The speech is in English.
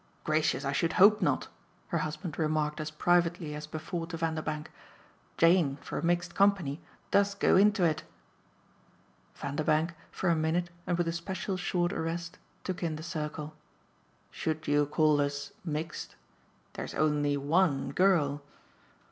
"Gracious, I should hope not!" her husband remarked as privately as before to Vanderbank. "Jane for a mixed company does go into it." Vanderbank, for a minute and with a special short arrest, took in the circle. "Should you call us 'mixed'? There's only ONE girl."